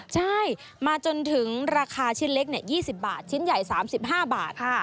ใช่มาจนถึงราคาชิ้นเล็ก๒๐บาทชิ้นใหญ่๓๕บาท